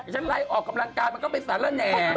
ฉันไลค์ออกกำลังการมันก็ไปสั่นแล้วแน่